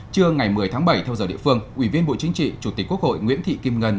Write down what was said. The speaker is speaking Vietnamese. trưa ngày một mươi tháng bảy theo giờ địa phương ủy viên bộ chính trị chủ tịch quốc hội nguyễn thị kim ngân